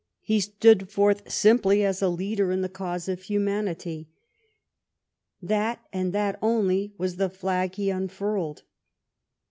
He stood forth sim ply as a leader in the cause of humanity; that, and that only, was the flag he unfurled.